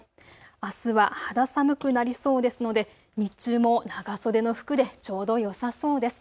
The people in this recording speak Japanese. あすは肌寒くなりそうですので日中も長袖の服で、ちょうどよさそうです。